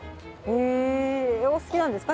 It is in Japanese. へえお好きなんですか？